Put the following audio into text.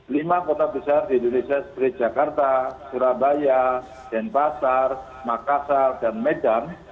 lima kota besar di indonesia seperti jakarta surabaya denpasar makassar dan medan